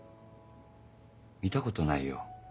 見たことないよ